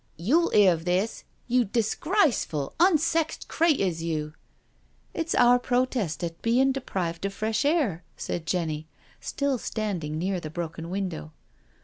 " You'll 'ear of this, you disgraceful, unsexed creatures you." " It's our protest at bein' deprived of fresh air," said Jenny, still standing near the broken window.